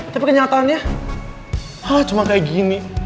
tapi kenyataannya wah cuma kayak gini